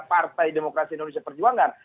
partai demokrasi indonesia perjuangan